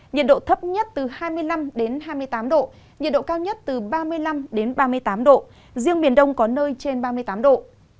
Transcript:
nhiệt độ thấp nhất từ hai mươi năm hai mươi tám độ nhiệt độ cao nhất từ ba mươi năm ba mươi tám độ riêng miền đông có nơi trên ba mươi tám độ